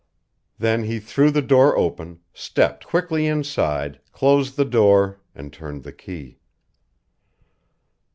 Then he threw the door open, stepped quickly inside, closed the door, and turned the key.